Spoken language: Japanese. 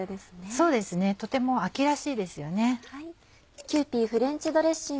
そうですねとても秋らしいですよね。